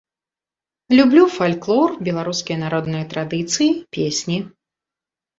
Люблю фальклор, беларускія народныя традыцыі, песні.